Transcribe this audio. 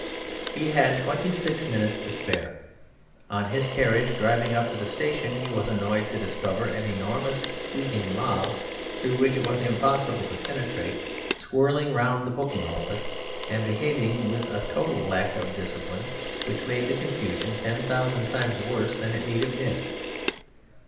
He had twenty six minutes to spare. On his carriage driving up to the station he was annoyed to discover an enormous seething mob through which it was impossible to penetrate, swirling round the booking office and behaving with a total lack of discipline which made the confusion ten thousand times worse than it need have been.